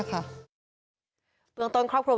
ลูกนั่นแหละที่เป็นคนผิดที่ทำแบบนี้